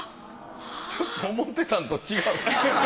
ちょっと思ってたんと違う。